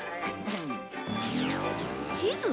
地図？